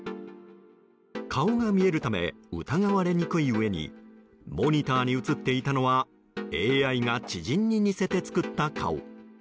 顔が見えるため疑われにくいうえにモニターに映っていたのはＡＩが知人に似せて作った顔。